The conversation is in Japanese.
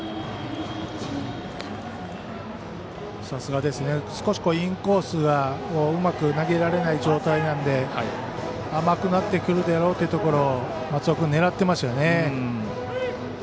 さすがですね少しインコースはうまく投げられない状態なので甘くなってくるであるというところ松尾君、狙ってますよね。